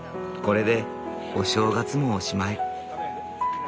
これでお正月もおしまい。